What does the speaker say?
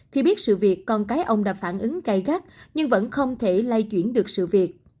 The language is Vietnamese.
khi biết sự việc con cái ông đã phản ứng cay gắt nhưng vẫn không thể lai chuyển được sự việc